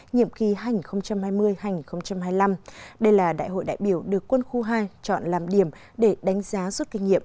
nhiệm kỳ hai nghìn hai mươi hai nghìn hai mươi năm đây là đại hội đại biểu được quân khu hai chọn làm điểm để đánh giá rút kinh nghiệm